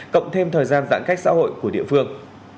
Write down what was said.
cộng thêm thời gian giãn cách xã hội của địa phương